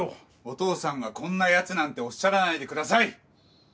お父さんが「こんな奴」なんておっしゃらないでください！